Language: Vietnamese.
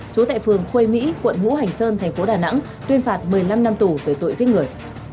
trú tại phường khuê mỹ quận ngũ hành sơn thành phố đà nẵng tuyên phạt một mươi năm năm tù về tội giết người